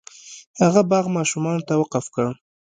هغه باغ ماشومانو ته وقف کړ.